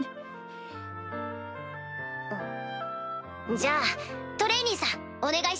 じゃあトレイニーさんお願いします。